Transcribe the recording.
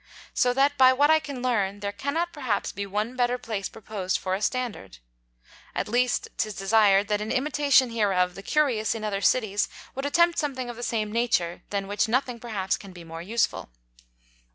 So that by what I can learn, there cannot perhaps be one better Place proposed for a Standard. At least 'tis desired, that in Imitation hereof the Curious in other Cities would attempt something of the same Nature, than which nothing perhaps can be more useful.